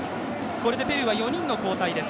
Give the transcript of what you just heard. これでペルーは４人の交代です。